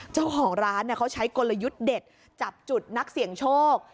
เจ้าของร้านเขาใช้กลยุทธ์เด็ดจับจุดนักเสี่ยงโชค